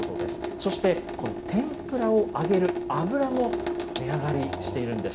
そしてこの天ぷらを揚げる油も値上がりしているんです。